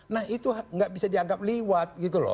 nah itu nggak bisa dianggap liwat gitu loh